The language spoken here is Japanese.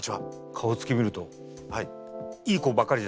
顔つき見るといい子ばっかりじゃないじゃないですか？